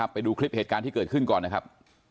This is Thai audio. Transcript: ไปดูคลิปเหตุการณ์ที่เกิดขึ้นก่อนนะครับ